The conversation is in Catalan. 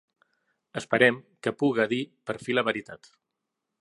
Esperem que puga dir per fi la veritat.